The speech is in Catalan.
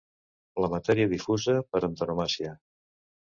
La matèria difusa per antonomàsia.